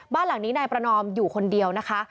บ้านหลังนี้นายประนอมอยู่คนเดียวนะคะ